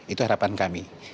itu harapan kami